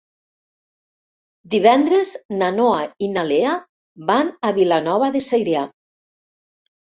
Divendres na Noa i na Lea van a Vilanova de Segrià.